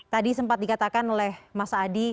tadi sempat dikatakan oleh mas adi